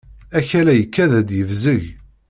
Akal-a ikad-d yebzeg.